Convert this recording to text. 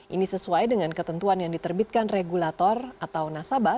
ini sesuai dengan ketentuan yang diterbitkan regulator atau nasabah